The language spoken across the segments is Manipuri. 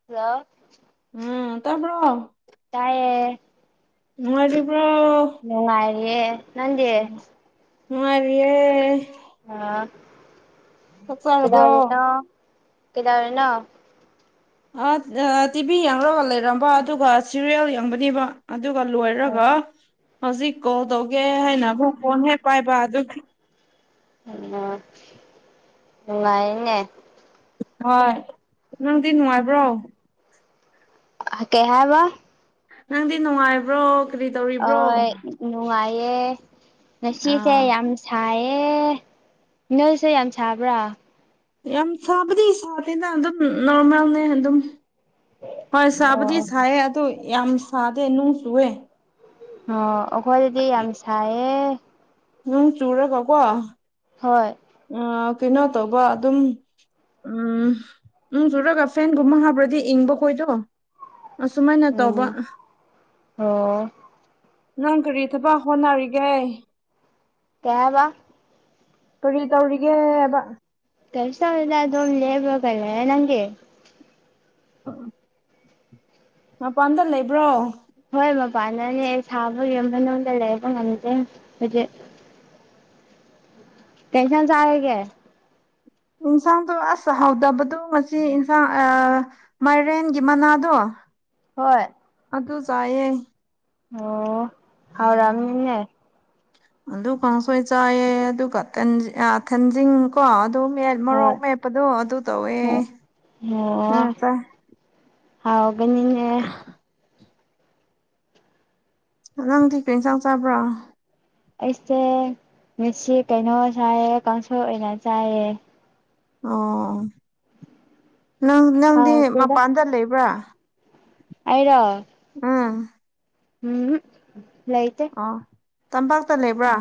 [unintelligible] ꯎꯝ ꯇꯥꯕ꯭ꯔꯣ ꯇꯥꯏꯌꯦ ꯅꯨꯡꯉꯥꯏꯔꯤꯕ꯭ꯔꯣ ꯅꯨꯡꯉꯥꯏꯔꯤꯌꯦ ꯅꯪꯗꯤ ꯅꯨꯡꯉꯥꯏꯔꯤꯌꯦ ꯑꯥ ꯆꯥꯛ ꯆꯥꯔꯕ꯭ꯔꯣ ꯀꯩꯗꯧꯔꯤꯅꯣ ꯀꯩꯗꯧꯔꯤꯅꯣ ꯑꯥ ꯇꯤꯚꯤ ꯌꯦꯡꯂꯡꯒ ꯂꯩꯔꯝꯕ ꯑꯗꯨꯒ ꯁꯤꯔꯤꯌꯦꯜ ꯌꯦꯡꯕꯅꯦꯕ ꯑꯗꯨꯒ ꯎꯝ ꯂꯣꯏꯔꯒ ꯍꯧꯖꯤꯛ ꯀꯣꯜ ꯇꯧꯒꯦ ꯍꯥꯏꯅ ꯑꯃꯨꯛ ꯐꯣꯟ ꯍꯦꯛ ꯄꯥꯏꯕ ꯑꯗꯨ ꯅꯨꯡꯉꯥꯏꯌꯦꯅꯦ ꯍꯣꯏ ꯅꯪꯗꯤ ꯅꯨꯡꯉꯥꯏꯕ꯭ꯔꯣ ꯀꯩ ꯍꯥꯏꯕ ꯅꯪꯗꯤ ꯅꯨꯡꯉꯥꯏꯕ꯭ꯔꯣ ꯀꯔꯤ ꯇꯧꯔꯤꯕ꯭ꯔꯣ ꯍꯣꯏ ꯅꯨꯡꯉꯥꯏꯌꯦ ꯉꯁꯤꯁꯦ ꯑꯥ ꯌꯥꯝ ꯁꯥꯏꯌꯦ ꯅꯣꯏꯁꯦ ꯌꯥꯝ ꯁꯥꯕ꯭ꯔꯥ ꯌꯥꯝ ꯁꯥꯕꯗꯤ ꯁꯥꯗꯦꯗ ꯑꯗꯨꯝ ꯅꯣꯔꯃꯦꯜꯅꯦ ꯑꯗꯨꯝ ꯍꯣꯏ ꯑꯣ ꯁꯥꯕꯗꯤ ꯁꯥꯌꯦ ꯑꯗꯨ ꯌꯥꯝ ꯁꯥꯗꯦ ꯅꯣꯡ ꯆꯨꯋꯦ ꯑꯥ ꯑꯩꯈꯣꯏꯗꯗꯤ ꯌꯥꯝ ꯁꯥꯏꯌꯦ ꯅꯣꯡ ꯆꯨꯔꯒꯀꯣ ꯍꯣꯏ ꯑꯥ ꯀꯩꯅꯣ ꯇꯧꯕ ꯑꯗꯨꯝ ꯎꯝ ꯅꯣꯡ ꯆꯨꯔꯒ ꯐꯦꯟꯒꯨꯝꯕ ꯍꯥꯞꯔꯗꯤ ꯏꯪꯕ ꯈꯣꯏꯗꯣ ꯑꯁꯨꯝꯃꯥꯏꯅ ꯇꯧꯕ ꯎꯝ ꯑꯣ ꯅꯪ ꯀꯔꯤ ꯊꯥꯕꯛ ꯍꯣꯠꯅꯔꯤꯒꯦ ꯀꯩ ꯍꯥꯏꯕ ꯀꯔꯤ ꯇꯧꯔꯤꯒꯦꯕ ꯍꯥꯏꯕ ꯀꯩꯁ ꯇꯧꯗꯦꯗ ꯑꯗꯨꯝ ꯂꯦꯝꯃꯕꯒ ꯂꯩꯌꯦ ꯅꯪꯗꯤ [unintelligible] ꯃꯄꯥꯟꯗ ꯂꯩꯕ꯭ꯔꯣ ꯍꯣꯏ ꯃꯄꯥꯟꯗꯅꯦ ꯑꯩ ꯁꯥꯕꯒꯤ ꯌꯨꯝ ꯃꯅꯨꯡꯗ ꯂꯩꯕ ꯉꯝꯗꯦ ꯍꯨꯖꯤꯛ ꯀꯩ ꯏꯟꯖꯥꯡ ꯆꯥꯔꯒꯦ ꯌꯦꯟꯁꯥꯡꯗꯣ ꯑꯁ ꯍꯥꯎꯗꯕꯗꯣ ꯉꯁꯤ ꯏꯟꯁꯥꯡ ꯑ ꯃꯥꯏꯔꯦꯟꯒꯤ ꯃꯅꯥꯗꯣ ꯍꯣꯏ ꯑꯗꯨ ꯆꯥꯏꯌꯦ ꯑꯣ ꯍꯥꯎꯔꯝꯅꯤꯅꯦ ꯑꯗꯨ ꯀꯥꯡꯁꯣꯏ ꯆꯥꯏꯌꯦ ꯑꯗꯨꯒ ꯊꯟ ꯑ ꯊꯟꯖꯤꯡ ꯀꯣ ꯑꯗꯨ ꯃꯦꯠ ꯍꯣꯏ ꯃꯣꯔꯣꯛ ꯃꯦꯞꯄꯗꯣ ꯑꯗꯨ ꯇꯧꯋꯦ ꯑꯣ ꯅꯪꯅ ꯆꯥꯢ ꯍꯥꯎꯒꯅꯤꯅꯦ ꯅꯪꯗꯤ ꯀ꯭ꯔꯤ ꯏꯟꯖꯥꯡ ꯆꯥꯕ꯭ꯔ꯭ ꯑꯩꯁꯦ ꯃꯦꯠꯁꯤ ꯀꯩꯅꯣ ꯆꯥꯏꯌꯦ ꯀꯥꯡꯁꯣꯏ ꯑꯣꯏꯅ ꯆꯥꯏꯌꯦ꯫ ꯑꯣ ꯅꯪ ꯅꯪꯗꯤ ꯍꯥꯎꯇꯦꯗ ꯃꯄꯥꯟꯗ ꯂꯩꯕ꯭ꯔꯥ꯫ ꯑꯩꯔꯣ ꯎꯝ ꯎꯝ ꯍꯨꯠ ꯂꯩꯇꯦ ꯑꯣ ꯇꯝꯄꯥꯛꯇ ꯂꯩꯕ꯭ꯔꯥ꯫ ꯎꯝ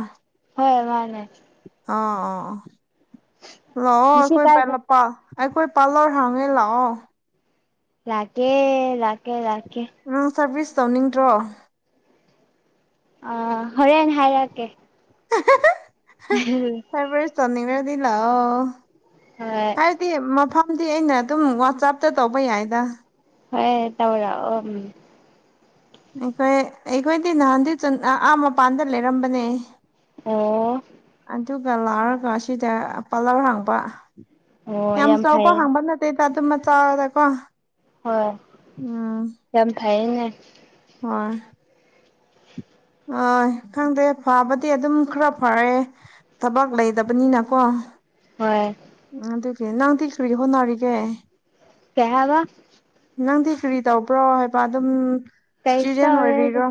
ꯍꯣꯏ ꯃꯥꯅꯦ ꯑꯥ ꯑꯥ ꯑꯣ ꯂꯥꯛꯑꯣ ꯉꯁꯤ ꯑꯩꯈꯣꯏ ꯀꯥꯏ ꯄꯥꯏ ꯀꯥꯏ ꯃꯄꯥ ꯑꯩꯈꯣꯏ ꯄꯥ ꯂꯣꯢ ꯍꯪꯉꯦ ꯂꯥꯛꯑꯣ ꯂꯥꯛꯀꯦ ꯂꯥꯛꯀꯦ ꯂꯥꯛꯀꯦ ꯅꯪ ꯁꯔꯚꯤꯁ ꯇꯧꯅꯤꯡꯗ꯭ꯔꯣ ꯑ ꯍꯣꯔꯦꯟ ꯍꯥꯏꯔꯛꯀꯦ [unintelligible] ꯐꯔꯦ ꯐꯔꯦ ꯁꯣꯅꯤꯡꯉꯗꯤ ꯂꯥꯛꯑꯣ ꯍꯣꯏ ꯍꯥꯏꯕꯗꯤ ꯃꯐꯝꯗꯤ ꯑꯩꯅ ꯑꯗꯨꯝ ꯋꯥꯆꯞꯇ ꯇꯧꯕ ꯌꯥꯏꯗ ꯍꯣꯏ ꯇꯧꯔꯛꯑꯣ ꯎꯝ ꯑꯩꯈꯣꯏ ꯑꯩꯈꯣꯏꯗꯤ ꯅꯍꯥꯟꯗꯤ ꯆꯟ ꯑꯥ ꯃꯄꯥꯟꯗ ꯂꯩꯔꯝꯕꯅꯦ ꯑꯣ ꯑꯗꯨꯒ ꯂꯥꯛꯔꯒ ꯑꯁꯤꯗ ꯄꯥꯂꯔ ꯍꯥꯡꯕ ꯑꯣ ꯌꯥꯝ ꯆꯥꯎꯕ ꯐꯩ ꯍꯪꯕ ꯅꯠꯇꯦꯗ ꯑꯗꯨꯝ ꯃꯆꯥꯗꯀꯣ ꯍꯣꯏ ꯎꯝ ꯌꯥꯝ ꯐꯩꯌꯦꯅꯦ ꯍꯣꯏ ꯑꯣꯢ ꯈꯪꯗꯦ ꯐꯕꯗꯤ ꯑꯗꯨꯝ ꯈꯔ ꯐꯔꯦ ꯊꯕꯛ ꯂꯩꯗꯕꯅꯤꯅꯀꯣ ꯍꯣꯏ ꯑ ꯑꯗꯨꯒꯤ ꯅꯪꯗꯤ ꯀꯔꯤ ꯍꯣꯠꯅꯔꯤꯒꯦ ꯀꯩ ꯍꯥꯏꯕ ꯅꯪꯗꯤ ꯀ꯭ꯔꯤ ꯇꯧꯕ꯭ꯔꯣ ꯍꯥꯏꯕ ꯑꯗꯨꯝ ꯀꯩꯁꯨ ꯁ꯭ꯇꯨꯗꯦꯟ ꯇꯧꯔꯦꯗ ꯑꯣꯏꯔꯤꯔꯣ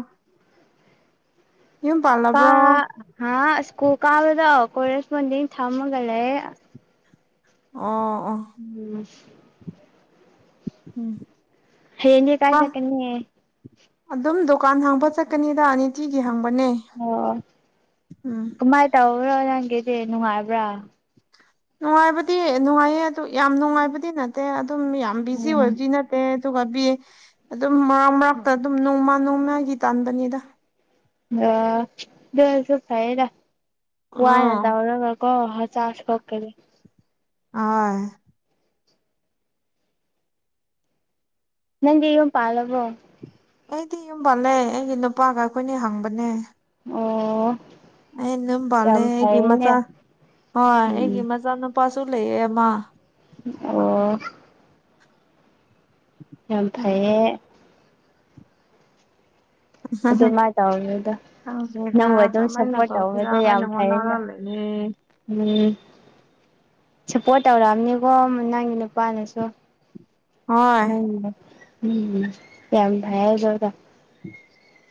ꯌꯨꯝ ꯇꯥ ꯄꯥꯜꯂꯕ꯭ꯔꯣ ꯑꯣ ꯍꯥ ꯁ꯭ꯀꯨꯜ ꯀꯥꯕꯗꯣ ꯀꯣꯔꯦꯁꯕꯣꯟꯗꯤꯡ ꯊꯝꯃꯒ ꯂꯩꯌꯦ ꯑꯣ ꯑꯣ꯫ [unintelligible] ꯎꯝ ꯍꯥꯌꯦꯡꯗꯤ ꯀꯥꯏ ꯆꯥꯠꯀꯅꯤ ꯑꯗꯨꯝ ꯗꯨꯀꯥꯟ ꯍꯥꯡꯕ ꯆꯠꯀꯅꯤꯗ ꯅꯤꯇꯤꯒꯤ ꯍꯪꯕꯅꯦ ꯑꯣ ꯎꯝ ꯀꯃꯥꯏ ꯇꯧꯔꯣ ꯅꯪꯒꯤꯗꯤ ꯅꯨꯡꯉꯥꯏꯕ꯭ꯔꯥ ꯅꯨꯡꯉꯥꯏꯕꯗꯤ ꯅꯨꯡꯉꯥꯏꯌꯦ ꯑꯗꯨ ꯌꯥꯝ ꯅꯨꯡꯉꯥꯏꯕꯗꯤ ꯅꯠꯇꯦ ꯑꯗꯨꯝ ꯌꯥꯝ ꯕꯤꯖꯤ ꯎꯝ ꯑꯣꯏꯕꯗꯤ ꯅꯠ ꯇꯦ ꯑꯗꯨꯒ ꯕꯤ ꯑꯗꯨꯝ ꯃꯔꯛ ꯃꯔꯛꯇ ꯑꯗꯨꯝ ꯅꯣꯡꯃ ꯅꯣꯡꯃꯒꯤ ꯇꯥꯟꯕꯅꯤꯗ꯫ ꯑ ꯑꯗꯨ ꯑꯣꯏꯁꯨ ꯐꯩꯌꯦꯗ꯫ ꯋꯥꯅ ꯑꯥ ꯇꯧꯔꯒ ꯀꯣ ꯍꯛꯆꯥꯡ ꯁꯣꯛꯀꯅꯤ꯫ ꯑꯍꯣꯏ꯫ ꯅꯪꯗꯤ ꯌꯨꯝ ꯄꯥꯜꯂꯕꯣ꯫ ꯑꯩꯗꯤ ꯌꯨꯝꯄꯥꯜꯂꯦ ꯑꯩꯒꯤ ꯅꯨꯄꯥꯒ ꯑꯩꯈꯣꯏꯅꯤ ꯍꯥꯡꯕꯅꯦ꯫ ꯑꯣ꯫ ꯑꯩ ꯌꯨꯝ ꯄꯥꯜꯂꯦ ꯌꯥꯝ ꯑꯩꯒꯤ ꯐꯩꯌꯦꯅꯦ ꯃꯆꯥ ꯍꯣꯏ ꯑꯩꯒꯤ ꯎꯝ ꯃꯆꯥ ꯅꯨꯨꯄꯥꯁꯨ ꯂꯩꯌꯦ ꯑꯃ꯫ ꯑꯣ꯫ ꯌꯥꯝ ꯐꯩꯌꯦ꯫ ꯑꯗꯨꯃꯥꯏ ꯇꯧꯔꯝꯃꯤꯗꯣ ꯈꯪꯗꯦꯗꯥ ꯀꯃꯥꯏꯅ ꯇꯧꯁꯤꯔꯥ ꯍꯥꯏꯅ ꯌꯥꯝ ꯍꯣꯠꯅꯔ ꯐꯩꯌꯦꯅꯦ ꯂꯩꯌꯦ ꯎꯝ ꯁꯞꯄꯣꯔꯠ ꯇꯧꯔꯛꯑꯕꯅꯤꯀꯣ ꯅꯪꯒꯤ ꯅꯨꯄꯥꯅꯁꯨ ꯍꯣꯏ ꯑꯝ ꯌꯥꯝ ꯐꯩꯌꯦ ꯑꯗꯨꯒ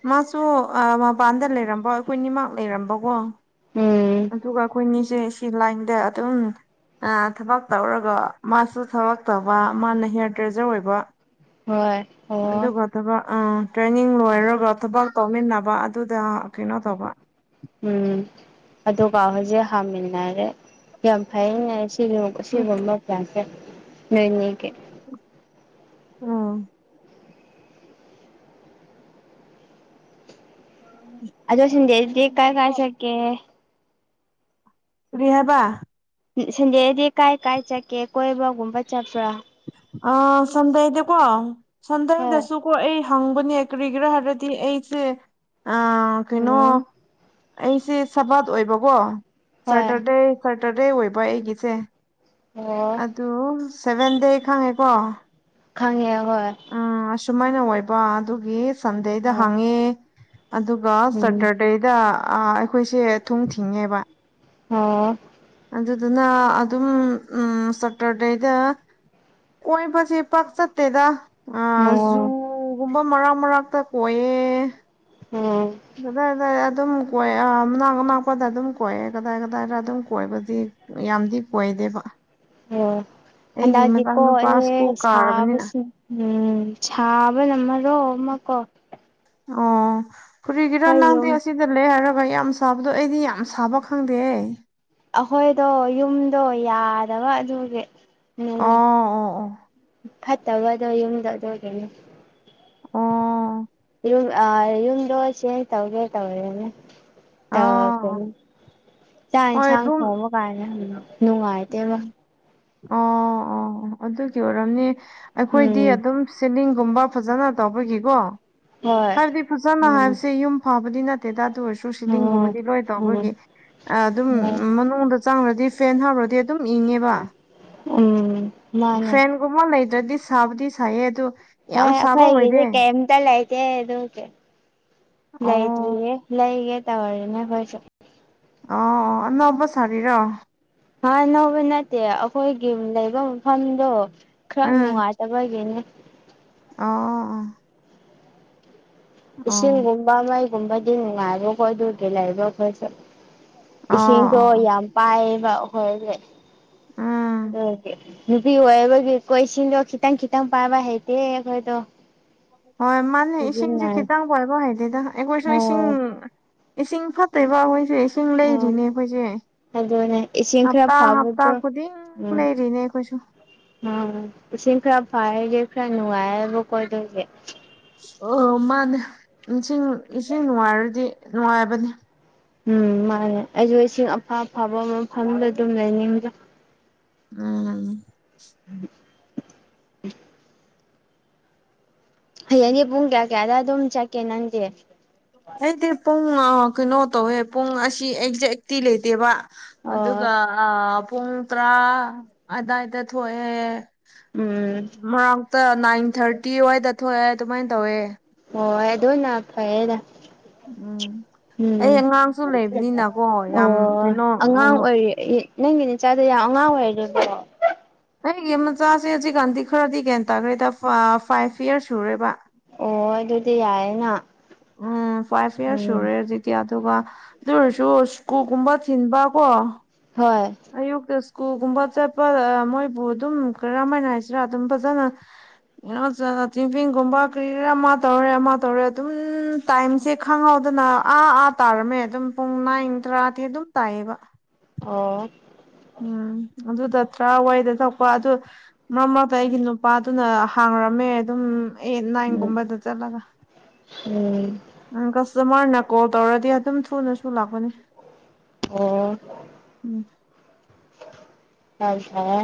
ꯃꯥꯁꯨ ꯃꯄꯥꯟꯗ ꯂꯩꯔꯝꯕ ꯑꯩꯈꯣꯏ ꯅꯤꯃꯛꯥꯛ ꯂꯩꯔꯝꯕꯀꯣ ꯎꯝ ꯑꯗꯨꯒ ꯑꯩꯈꯣꯏꯅꯤꯁꯦ ꯁꯤ ꯂꯥꯏꯟꯗ ꯑꯗꯨꯝ ꯑ ꯊꯕꯛ ꯇꯧꯔꯒ ꯃꯥꯁꯨ ꯊꯕꯛ ꯇꯧꯕ ꯃꯥꯅ ꯍꯤꯌꯥꯔ ꯗ꯭ꯔꯦꯖꯔ ꯑꯣꯏꯕ ꯍꯣꯏ ꯑꯣ ꯑꯗꯨꯒ ꯊꯕꯛ ꯑꯝ ꯇ꯭ꯔꯦꯅꯤꯡ ꯂꯣꯏꯔꯒ ꯊꯕꯛ ꯇꯧꯃꯤꯟꯅꯕ ꯑꯗꯨꯗ ꯀꯩꯅꯣ ꯇꯧꯕ ꯎꯝ ꯑꯗꯨꯒ ꯍꯧꯖꯤꯛ ꯍꯥꯡꯃꯤꯟꯅꯔꯦ ꯑꯝ ꯌꯥꯝ ꯐꯩꯌꯦ ꯁꯤ ꯁꯤꯒꯨꯝꯕ ꯄ꯭ꯂꯥꯟꯁꯦ ꯅꯣꯏꯅꯤꯒꯤ ꯑꯥ ꯑꯣ ꯑꯗꯨ ꯁꯟꯗꯦꯁꯤꯗꯤ ꯀꯥꯏ ꯀꯥꯏ ꯆꯠꯀꯦ ꯀꯔꯤ ꯍꯥꯏꯕ ꯁꯟꯗꯦꯗꯤ ꯀꯥꯏ ꯀꯥꯏ ꯆꯠꯀꯦ ꯀꯣꯏꯕꯒꯨꯝꯕ ꯆꯠꯄ꯭ꯔꯥ ꯑꯥ ꯁꯟꯗꯦꯗꯤ ꯀꯣ ꯍꯣꯏ ꯁꯟꯗꯦꯗꯁꯨ ꯀꯣ ꯑꯩ ꯍꯥꯡꯕꯅꯦ ꯀꯔꯤꯒꯤꯔꯥ ꯍꯥꯏꯔꯗꯤ ꯑꯩꯁꯦ ꯑ ꯀꯩꯅꯣ ꯎꯝ ꯑꯩꯁꯦ ꯁꯕꯥꯠ ꯑꯣꯏꯕꯀꯣ ꯍꯣꯏ ꯁꯦꯇꯔꯗꯦ ꯁꯦꯇꯔꯗꯦ ꯑꯣꯏꯕ ꯑꯩꯒꯤꯁꯦ ꯑꯣ ꯑꯗꯨ ꯁꯚꯦꯟ ꯗꯦ ꯈꯪꯉꯦꯀꯣ ꯈꯪꯉꯦ ꯍꯣꯏ ꯎꯝ ꯑꯁꯨꯃꯥꯏꯅ ꯑꯣꯏꯕ ꯑꯗꯨꯒꯤ ꯁꯟꯗꯦꯗ ꯍꯥꯡꯉꯦ ꯑꯗꯨ ꯑꯗꯨꯒ ꯎꯝ ꯁꯦꯇꯔꯗꯦꯗ ꯑ ꯑꯩꯈꯣꯏꯁꯦ ꯊꯨꯣꯡ ꯊꯤꯡꯉꯦꯕ ꯑꯣ ꯑꯗꯨꯗꯨꯅ ꯑꯗꯨꯝ ꯎꯝ ꯁꯦꯇꯔꯗꯦꯗ ꯀꯣꯏꯕꯁꯦ ꯄꯥꯛ ꯆꯠꯇꯦꯗ ꯑ ꯑꯣ ꯖꯨꯒꯨꯝꯕ ꯃꯔꯛ ꯃꯔꯛꯇ ꯀꯣꯏꯌꯦ ꯑꯝ ꯑꯗꯨꯗꯥꯏ ꯑꯗꯨꯗꯥꯏ ꯑꯗꯨꯝ ꯀꯣꯏ ꯃꯅꯥꯛ ꯑꯅꯥꯛꯄꯗ ꯑꯗꯨꯝ ꯀꯣꯏꯌꯦ ꯀꯗꯥꯏ ꯀꯗꯥꯏꯗ ꯑꯗꯨꯝ ꯀꯣꯏꯕꯗꯤ ꯌꯥꯝꯗꯤ ꯀꯣꯏꯗꯦꯕ ꯑꯣ ꯑꯩꯒꯤ ꯍꯟꯗꯛꯗꯤ ꯃꯆꯥ ꯀꯣ ꯅꯨꯨꯄꯥ ꯑꯦ ꯁ꯭ꯀꯨꯜ ꯀꯥꯔꯕꯅꯤꯅ ꯁꯥꯕꯁꯤ ꯎꯝ ꯁꯥꯕꯅ ꯃꯔꯣꯜ ꯑꯃꯀꯣ ꯑꯣ ꯀꯔꯤꯒꯔꯥ ꯑꯩꯈꯣꯏ ꯅꯪꯗꯤ ꯌꯨꯝ ꯑꯁꯤ ꯁꯤꯗ ꯂꯩ ꯍꯥꯏꯔꯒ ꯌꯥꯝ ꯁꯥꯕꯗꯣ ꯑꯩꯗꯤ ꯌꯥꯝ ꯁꯥꯕ ꯈꯪꯗꯦꯍꯦ ꯑꯈꯣꯏꯗꯣ ꯌꯨꯝꯗꯣ ꯌꯥꯗꯕ ꯑꯗꯨꯒꯤ ꯎꯝ ꯑꯣ ꯑꯣ ꯐꯠꯇꯕꯗꯣ ꯌꯨꯝꯗ ꯑꯗꯨꯒꯤꯅꯤ ꯑꯣ ꯌꯨꯝ ꯑ ꯌꯨꯝꯗꯣ ꯆꯦꯟꯖ ꯇꯧꯒꯦ ꯇꯧꯔꯦꯅꯦ [unintelligible] ꯑꯣ ꯑꯣ ꯆꯥꯛ ꯍꯣꯏ ꯌꯦꯟꯁꯥꯡ ꯔꯨꯝ ꯊꯣꯡꯕ ꯀꯥꯟꯗ ꯌꯥꯝ ꯅꯨꯡꯉꯥꯏꯇꯦꯕ ꯎꯝ ꯑꯣ ꯑꯣ ꯑꯗꯨꯒꯤ ꯑꯣꯏꯔꯝꯅꯤ ꯑꯩꯈꯣꯏꯗꯤ ꯎꯝ ꯑꯗꯨꯝ ꯁꯤꯂꯤꯡꯒꯨꯝꯕ ꯐꯖꯅ ꯇꯧꯕꯒꯤꯀꯣ ꯍꯣꯏ ꯍꯥꯏꯞꯗꯤ ꯐꯖꯅ ꯎꯝ ꯍꯥꯏꯕꯁꯦ ꯌꯨꯝ ꯐꯕꯗꯤ ꯅꯠꯇꯦꯗ ꯑꯗꯨ ꯑꯣꯏꯔꯁꯨ ꯎꯝ ꯁꯤꯂꯤꯡꯒꯨꯝꯕꯗꯤ ꯂꯣꯏ ꯎꯝ ꯇꯧꯕꯒꯤ ꯑꯗꯨꯝ ꯎꯝ ꯃꯅꯨꯡꯗ ꯆꯪꯔꯗꯤ ꯐꯦꯟ ꯍꯥꯞꯔꯗꯤ ꯑꯗꯨꯝ ꯏꯪꯉꯦꯕ ꯎꯝ ꯃꯥꯅꯦ ꯐꯦꯟꯒꯨꯝꯕ ꯂꯩꯗ꯭ꯔꯗꯤ ꯁꯥꯕꯗꯤ ꯁꯥꯏꯌꯦ ꯑꯗꯨ ꯌꯥꯝ [unintelligible] ꯁꯥꯕ ꯑꯣꯏꯗꯦ ꯑꯈꫭꯏꯒꯤꯗꯤ ꯀꯩꯝ ꯇ ꯂꯩꯇꯦ ꯑꯗꯨꯒꯤ ꯑꯣ ꯂꯩꯇ꯭ꯔꯤꯌꯦ ꯂꯩꯒꯦ ꯇꯧꯔꯤꯅꯦ ꯈꫭꯏꯁꯨ ꯑꯣ ꯑꯣ ꯑꯅꯧꯕ ꯁꯥꯔꯤꯔꯣ [unintelligible] ꯑꯅꯧꯕ ꯅꯠꯇꯦ ꯑꯩꯈꯣꯏꯒꯤ ꯂꯩꯕ ꯃꯐꯝꯗꯣ ꯈꯔ ꯅꯨꯡꯉꯥꯏꯇꯕꯒꯤꯅꯤ ꯑꫭ ꯑꯣ ꯑꯣ ꯏꯁꯤꯡꯒꯨꯝꯕ ꯃꯩꯒꯨꯝꯕꯗꯤ ꯅꯨꯡꯉꯥꯏꯕꯀꯣ ꯑꯗꯨꯒꯤ ꯂꯩꯕ ꯑꯈꯣꯏꯁꯨ ꯑꯣ ꯏꯁꯤꯡꯗꯣ ꯑꯣ ꯌꯥꯝ ꯄꯥꯏꯌꯦꯕ ꯑꯩꯈꯣꯏꯗꯤ ꯎꯝ ꯑꯗꯨꯒꯤ ꯅꯨꯄꯤ ꯑꯣꯏꯕꯒꯤ ꯀꯣ ꯏꯁꯤꯡꯗꯣ ꯈꯤꯇꯪ ꯈꯤꯇꯪ ꯄꯥꯏꯕ ꯍꯩꯇꯦ ꯑꯈꯣꯏꯗꯣ ꯍꯣꯏ ꯃꯥꯅꯤ ꯏꯁꯤꯡꯖꯦ ꯈꯤꯇꯪ ꯄꯥꯏꯕ ꯍꯩꯇꯦꯗ ꯑꯩꯈꯣꯏꯁꯨ ꯏꯁꯤꯡ ꯑꯧ ꯏꯁꯤꯡ ꯐꯠꯇꯦꯕ ꯑꯩꯈꯣꯏꯁꯦ ꯏꯁꯤꯡ ꯎꯝ ꯂꯩꯔꯤꯅꯦ ꯑꯩꯈꯣꯏꯁꯦ ꯑꯗꯨꯅꯦ ꯏꯁꯤꯡ ꯈꯔ ꯍꯞꯇꯥ ꯍꯞꯇꯥ ꯐꯕꯗꯣ ꯈꯨꯗꯤꯡ ꯎꯝ ꯂꯩꯔꯤꯅꯦ ꯑꯩꯈꯣꯏꯁꯨ ꯎꯝ ꯏꯁꯤꯡ ꯈꯔ ꯐꯔꯗꯤ ꯈꯔ ꯅꯨꯡꯉꯥꯏꯌꯦꯕꯀꫭ ꯑꯗꯨꯒꯤ ꯑꯣ ꯃꯥꯟꯅꯦ ꯏꯁꯤꯡ ꯏꯁꯤꯡ ꯅꯨꯡꯉꯥꯏꯔꯗꯤ ꯅꯨꯡꯉꯥꯏꯕꯅꯤ ꯎꯝ ꯃꯥꯟꯅꯦ ꯑꯩꯖꯨ ꯏꯁꯤꯡ ꯑꯐ ꯑꯐꯕ ꯃꯐꯝꯗ ꯑꯗꯨꯝ ꯂꯩꯅꯤꯡꯉꯦ ꯎꯝ [inaudible] ꯍꯌꯦꯡꯗꯤ ꯄꯨꯡ ꯀꯌꯥ ꯀꯌꯥꯗ ꯑꯗꯨꯝ ꯆꯠꯀꯦ ꯅꯪꯗꯤ ꯑꯩꯗꯤ ꯄꯨꯡ ꯀꯩꯅꯣ ꯇꯧꯋꯦ ꯄꯨꯡ ꯑꯁꯤ ꯑꯦꯛꯖꯦꯛꯇꯤ ꯂꯩꯇꯦꯕ ꯑꯣ ꯑꯗꯨꯒ ꯑ ꯄꯨꯡ ꯇꯔꯥ ꯑꯗꯥꯏꯗ ꯊꯣꯛꯑꯦ ꯎꯝ ꯃꯔꯛꯇ ꯅꯥꯏꯟ ꯊꯥꯔꯇꯤ ꯋꯥꯏꯗ ꯊꯣꯛꯑꯦ ꯑꯗꯨꯃꯥꯏꯟ ꯇꯧꯋꯦ ꯍꯣꯏ ꯑꯗꯨꯅ ꯐꯩꯌꯦꯗ ꯎꯝ ꯑꯩ ꯎꯝ ꯑꯉꯥꯡꯁꯨ ꯂꯩꯕꯅꯤꯅꯀꯣ ꯌꯥꯝ ꯑꯣ ꯀꯩꯅꯣ ꯑꯉꯥꯡ ꯑꯣꯏꯔꯤ ꯑꯦ ꯅꯪꯒꯤꯅꯦ ꯅꯆꯥꯗꫭ ꯌꯥꯝ ꯑꯉꯥꯡ ꯑꯣꯏꯔꯤꯀꫭ ꯑꯩꯒꯤ ꯃꯆꯥꯁꯦ ꯍꯧꯖꯤꯛꯀꯥꯟꯗꯤ ꯈꯔꯗꯤ ꯒ꯭ꯌꯥꯟ ꯇꯥꯔꯦꯗ [unintelligible] ꯐꯥꯏꯞ ꯌꯔꯁ ꯁꯨꯔꯦꯕ ꯑꯣ ꯑꯗꯨꯗꯤ ꯌꯥꯏꯅ ꯎꯝ ꯐꯥꯏꯞ ꯌꯔꯁ ꯁꯨꯔꯦ ꯍꯧꯖꯤꯛ [unintelligible] ꯑꯗꯨꯒ ꯑꯗꯨ ꯑꯣꯏꯔꯁꯨ ꯁ꯭ꯀꯨꯒꯨꯝꯕ ꯊꯤꯟꯕ ꯀꯣ ꯍꯣꯏ ꯑꯌꯨꯛꯇ ꯁ꯭ꯀꯨꯜꯒꯨꯝꯕ ꯆꯠꯄ ꯃꯣꯏꯕꯨ ꯑꯗꯨꯝ ꯀꯔꯝ ꯍꯥꯏꯅ ꯍꯥꯏꯁꯤꯔ ꯑꯗꯨꯝ ꯐꯖꯅ [unintelligible] ꯒꯨꯝꯕ ꯀꯔꯤꯔ ꯑꯃ ꯇꯧꯔꯦ ꯑꯃ ꯇꯧꯔꯦ ꯑꯗꯨꯝ ꯇꯥꯏꯝꯁꯦ ꯈꯪꯍꯧꯗꯅ ꯑꯥ ꯑꯥ ꯇꯥꯔꯝꯃꯦ ꯑꯗꯨꯝ ꯄꯨꯡ ꯅꯥꯏꯟ ꯇꯔꯥꯗꯤ ꯑꯗꯨꯝ ꯇꯥꯏꯌꯦꯕ ꯑꯣ ꯎꯝ ꯑꯗꯨꯗ ꯇ꯭ꯔꯥꯋꯥꯏꯗ ꯊꫭꯛꯄ ꯑꯗꯨ ꯃꯔꯛ ꯃꯔꯛꯇ ꯑꯩꯒꯤ ꯅꯨꯄꯥꯗꯨꯅ ꯍꯥꯡꯔꯝꯃꯦ ꯑꯗꯨꯝ ꯑꯩꯠ ꯎꯝ ꯅꯥꯏꯟꯒꯨꯝꯕꯗ ꯆꯠꯂꯒ ꯎꯝ ꯎꯝ ꯀꯁꯇꯃꯔꯅ ꯀꯣꯜ ꯇꯧꯔꯗꯤ ꯑꯗꯨꯝ ꯊꯨꯅꯁꯨꯨ ꯂꯥꯛꯄꯅꯦ ꯑꯣ ꯎꯝ ꯑꯣ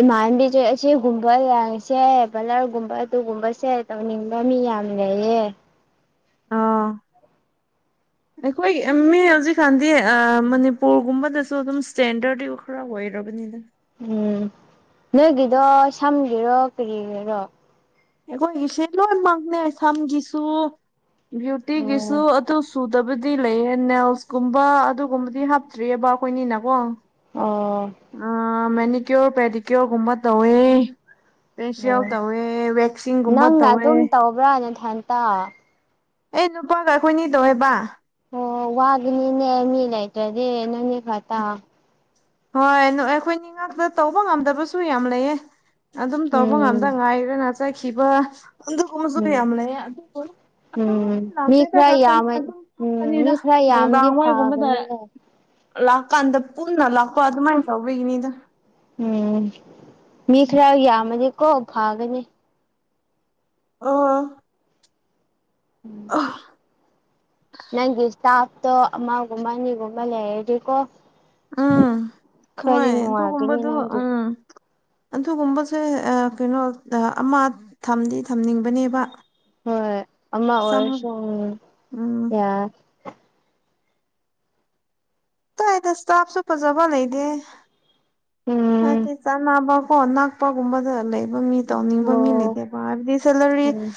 ꯏꯃꯥꯟꯅꯕꯤꯖꯦ ꯁꯤꯒꯨꯝꯕ ꯂꯪꯁꯦ ꯄꯥꯂꯔꯒꯨꯝꯕ ꯑꯗꯨꯒꯨꯝꯕꯁꯦ ꯇꯧꯅꯤꯡꯕ ꯃꯤ ꯌꯥꯝ ꯂꯩꯌꯦ ꯑꯥ ꯑꯩꯈꯣꯏ ꯃꯤ ꯍꯧꯖꯤꯛ ꯀꯥꯟꯗꯤ ꯃꯅꯤꯄꯨꯔꯒꯨꯝꯕꯗꯁꯨ ꯑꯗꯨꯝ ꯁ꯭ꯇꯦꯟꯗꯔꯗꯤ ꯈꯔ ꯑꯣꯏꯔꯕꯅꯤꯗ ꯎꯝ ꯅꯣꯏꯒꯤꯗꯣ ꯁꯝꯒꯤꯔꯣ ꯀꯔꯤꯒꯤꯔꯣ ꯑꯩꯈꯣꯏꯒꯤꯁꯦ ꯂꯣꯏꯅꯃꯛꯅꯦ ꯁꯝꯒꯤꯁꯨ ꯕ꯭ꯌꯨꯇꯤꯒꯤꯁꯨ ꯎꯝ ꯑꯗꯨꯁꯨ ꯗꯕꯨꯗꯤ ꯂꯩꯌꯦ ꯅꯦꯜꯁꯀꯨꯝꯕ ꯑꯗꯨꯒꯨꯝꯕꯗꯤ ꯍꯥꯞꯇ꯭ꯔꯤꯑꯦꯕ ꯑꯩꯈꯣꯏꯒꯤꯅꯀꯣ ꯑꯣ ꯑ ꯃꯦꯅꯤ ꯀ꯭ꯌꯣꯔ ꯄꯦꯗꯤ ꯀ꯭ꯌꯣꯔꯒꯨꯝꯕ ꯇꯧꯋꯦ ꯐꯦꯁꯤꯌꯦꯜ ꯑꯣ ꯇꯧꯋꯦ ꯋꯦꯛꯁꯤꯡꯀꯨꯝꯕ ꯇꯧꯋꯦ ꯕ꯭ꯔꯥ ꯅꯊꯟꯇ ꯑꯩ ꯅꯨꯄꯥꯒ ꯑꯩꯈꯣꯏ ꯑꯅꯤ ꯇꯧꯋꯦꯕ ꯑꯣ ꯋꯥꯒꯤꯅꯤꯅꯦ ꯃꯤ ꯂꯩꯇ꯭ꯔꯗꯤ ꯅꯣꯏꯅꯤ ꯈꯛꯇ ꯍꯣꯏ ꯑꯩꯈꯣꯏꯅꯤ ꯉꯥꯛꯇ ꯇꯧꯕ ꯉꯝꯗꯕꯁꯨ ꯌꯥꯝ ꯂꯩꯌꯦ ꯑꯗꯨꯝ ꯇꯧꯕ ꯉꯝꯗ ꯎꯝ ꯉꯥꯏꯔꯒ ꯆꯠꯈꯤꯕ ꯑꯗꯨꯒꯨꯝꯕꯁꯨ ꯎꯝ ꯌꯥꯝ ꯂꯩꯌꯦ ꯑꯗꯨꯕꯨ ꯑꯗꯨꯃꯛꯇꯤ ꯎꯝ ꯃꯤ ꯂꯥꯛꯇꯦꯗ ꯈꯔ ꯌꯥꯝꯃ [inaudible] ꯑꯗꯨꯝ ꯎꯝ ꯐꯝꯗꯅꯤꯗ ꯃꯤ ꯈꯔ ꯌꯥꯝꯗꯤ ꯅꯨꯡꯗꯥꯡ ꯋꯥꯏꯒꯨꯝꯕꯗ ꯐꯒꯅꯤꯅꯦ ꯂꯥꯛꯀꯥꯟꯗ ꯄꯨꯟꯅ ꯂꯥꯛꯄ ꯑꯗꯨꯃꯥꯏꯅ ꯇꯧꯕꯒꯤꯅꯤꯗ ꯎꯝ ꯃꯤ ꯈꯔ ꯌꯥꯝꯃꯗꯤꯀꯣ ꯐꯒꯅꯤ ꯑꯣ ꯎꯝ ꯅꯪꯒꯤ ꯁ꯭ꯇꯥꯐꯇꯣ ꯑꯃꯒꯨꯝꯕ ꯑꯅꯤꯒꯨꯝꯕ ꯂꯩꯔꯗꯤꯀꯣ ꯎꯝ ꯈꯔꯗꯤ ꯍꯣꯏ ꯅꯨꯡꯉꯥꯏꯒꯅꯤ ꯑꯗꯨꯒꯨꯝꯕꯗꯣ ꯅꯪꯒꯤ ꯎꯝ ꯑꯗꯨꯒꯨꯝꯕꯁꯦ ꯑ ꯀꯩꯅꯣ ꯑꯃ ꯊꯝꯗꯤ ꯊꯝꯅꯤꯡꯕꯅꯦꯕ ꯍꯣꯏ ꯑꯃ ꯁꯝ ꯑꯣꯏꯔꯁꯨ ꯎꯝ ꯌꯥꯏ ꯁ꯭ꯇꯥꯐꯁꯨ ꯐꯖꯕ ꯂꯩꯗꯦ ꯎꯝ ꯍꯥꯏꯗꯤ ꯆꯥꯟꯅꯕꯀꯣ ꯅꯛ ꯄꯒꯨꯝꯕꯗ ꯂꯩꯕ ꯃꯤ ꯇꯧꯅꯤꯡꯕ ꯃꯤ ꯎꯝ ꯂꯩꯇꯦꯕ ꯍꯥꯏꯕꯗꯤ ꯁꯦꯂꯔꯤ ꯎꯝ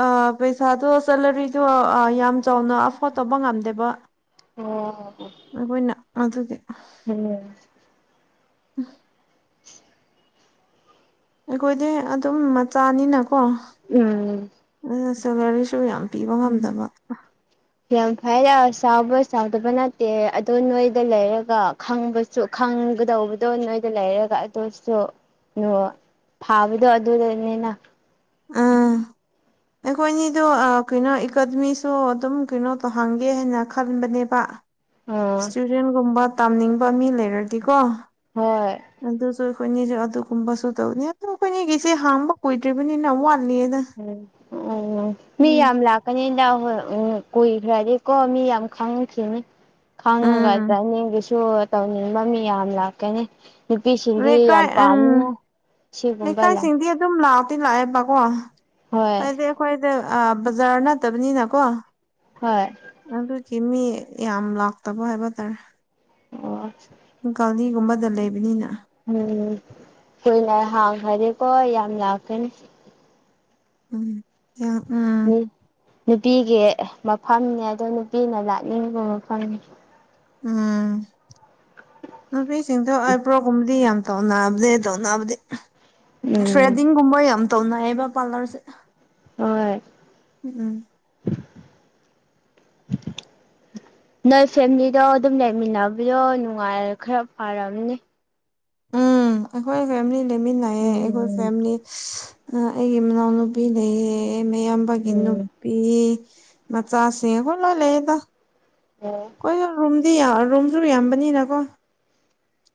ꯑ ꯄꯩꯁꯥꯗꯣ ꯁꯦꯂꯔꯤꯗꯣ ꯌꯥꯝ ꯆꯥꯎꯅ ꯑꯐꯣꯔꯠ ꯇꯧꯕ ꯉꯝꯗꯦꯕ ꯑꯣ ꯑꯣ ꯑꯩꯈꯣꯏꯅ ꯑꯗꯨꯒꯤ ꯎꯝ [unintelligible] ꯑꯩꯈꯣꯏꯗꯤ ꯑꯗꯨꯝ ꯃꯆꯥꯅꯤꯅꯀꯣ ꯎꯝ ꯎꯝ ꯁꯦꯂꯔꯤꯁꯨ ꯌꯥꯝ ꯄꯤꯕ ꯉꯝꯗꯕ ꯌꯥꯝ ꯐꯩꯗ ꯆꯥꯎꯕ ꯆꯥꯎꯗꯕ ꯅꯠꯇꯦ ꯑꯗꯣ ꯅꯣꯏꯗ ꯂꯩꯔꯒ ꯈꯪꯕꯁꯨ ꯈꯪꯒꯗꯧꯕꯗꯣ ꯅꯣꯏꯗ ꯂꯩꯔꯒ ꯑꯗꯨꯁꯨ [inaudible] ꯐꯕꯗꯣ ꯑꯗꯨꯗꯅꯦꯅ ꯑꯥ ꯅꯈꯣꯏꯅꯤꯗꯣ ꯀꯩꯅꯣ ꯏꯀꯗꯃꯤꯁꯨ ꯑꯗꯨꯝ ꯀꯩꯅꯣ ꯇꯧꯍꯟꯒꯦ ꯍꯥꯏꯅ ꯈꯟꯕꯅꯦꯕ ꯑꯥ ꯁ꯭ꯇꯨꯗꯦꯟ ꯒꯨꯝꯕ ꯇꯝꯅꯤꯡꯕ ꯃꯤ ꯂꯩꯔꯗꯤꯀꯣ ꯍꯣꯏ ꯑꯗꯨꯁꯨ ꯑꯩꯈꯣꯏꯅꯤꯁꯨ ꯑꯗꯨꯒꯨꯝꯕꯁꯨ ꯇꯧꯅꯤ ꯑꯗꯨ ꯑꯩꯈꯣꯏꯅꯤꯒꯤꯁꯦ ꯍꯥꯡꯕ ꯀꯨꯏꯗ꯭ꯔꯤꯕꯅꯤꯅ ꯌꯥꯝ ꯋꯥꯠꯂꯤꯗ ꯎꯝ ꯑꯣ ꯃꯤ ꯎꯝ ꯌꯥꯝ ꯂꯥꯛ ꯀꯥꯅꯤꯗ ꯍꯣꯢ ꯀꯨꯏꯈ꯭ꯔꯗꯤꯀꯣ ꯃꯤ ꯌꯥꯝ ꯈꯪꯉꯥꯛꯈꯤꯅꯤ ꯈꯪꯉꯒ ꯎꯝ ꯑꯗꯥꯏꯅꯤꯡꯒꯤꯁꯨ ꯇꯧꯅꯤꯡꯕ ꯃꯤ ꯌꯥꯝ ꯂꯥꯛꯀꯅꯤ ꯅꯨꯄꯤꯁꯤꯡꯗꯤ ꯌꯥꯝ ꯂꯩꯀꯥꯏ ꯄꯥꯝꯕꯅꯦ ꯁꯤꯒꯨꯝꯕ ꯌꯥꯝ ꯃꯤ ꯑꯗꯨꯝ ꯂꯥꯛ ꯇꯤ ꯂꯥꯛꯑꯦꯕꯀꯣ ꯍꯣꯏ ꯍꯥꯏꯗꯤ ꯑꯩꯈꯣꯏꯗ ꯕꯖꯥꯔ ꯅꯠꯇꯕꯅꯤꯅꯀꯣ ꯍꯣꯏ ꯑꯗꯨꯒꯤ ꯃꯤ ꯌꯥꯝ ꯂꯥꯛꯇꯕ ꯍꯥꯏꯕ ꯇꯥꯔꯦ ꯑꯣ ꯒꯥꯔꯤꯒꯨꯝꯕꯗ ꯂꯩꯕꯅꯤꯅ ꯎꯝ ꯀꯨꯢꯅ ꯍꯥꯡꯈ꯭ꯔꯗꯤꯀꯣ ꯌꯥꯝ ꯂꯥꯛꯀꯅꯤ ꯎꯝ ꯌꯥ ꯎꯝ ꯃꯤ ꯅꯨꯄꯤꯒꯤ ꯃꯐꯝꯅꯦ ꯑꯗꯨ ꯅꯨꯄꯤꯅ ꯂꯥꯛꯅꯤꯡꯕ ꯃꯐꯝꯅꯤ ꯎꯝ ꯅꯨꯄꯤꯁꯤꯡꯗꯣ ꯑꯩꯕ꯭ꯔꯣꯒꯨꯝꯕꯗꯤ ꯌꯥꯝ ꯇꯧꯅꯕꯗꯤ ꯇꯧꯅꯕꯗꯤ ꯎꯝ ꯊ꯭ꯔꯦꯗꯤꯡꯒꯨꯝꯕ ꯌꯥꯝ ꯇꯧꯅꯩꯌꯦꯕ ꯄꯥꯔꯂꯔꯁꯦ ꯍꯣꯏ ꯎꯝ ꯅꯣꯏ ꯐꯦꯃꯤꯂꯤꯗꯣ ꯑꯗꯨꯝ ꯂꯩꯃꯤꯟꯅꯕꯗꯣ ꯅꯨꯡꯉꯥꯏꯔ ꯈꯔ ꯐꯔꯝꯅꯤ ꯎꯝ ꯑꯩꯈꯣꯏ ꯐꯦꯃꯤꯂꯤ ꯂꯩꯃꯤꯟꯅꯩꯌꯦ ꯑꯩꯈꯣꯏ ꯎꯝ ꯐꯦꯃꯤꯂꯤ ꯑꯥ ꯑꯩꯒꯤ ꯏꯅꯥꯎꯅꯨꯄꯤ ꯂꯩꯌꯦ ꯃꯌꯥꯝꯕꯒꯤ ꯅꯨ ꯎꯝ ꯄꯤ ꯃꯆꯥꯁꯤꯡ ꯑꯩꯈꯣꯢ ꯂꯣꯢ ꯂꯩꯗ ꯑꯣ ꯑꯩꯈꯣꯢꯁꯨ ꯔꯨꯝ ꯗꯤ ꯔꯣꯝꯁꯨ ꯌꯥꯝꯕꯅꯤꯅꯀꯣ